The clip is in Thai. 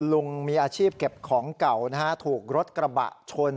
ลุงมีอาชีพเก็บของเก่านะฮะถูกรถกระบะชน